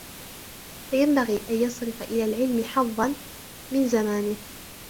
فَيَنْبَغِي أَنْ يَصْرِفَ إلَى الْعِلْمِ حَظًّا مِنْ زَمَانِهِ